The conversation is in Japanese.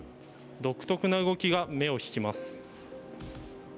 独特な動きが目を引きます。